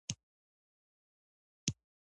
ملخ فصلونو ته زيان رسوي.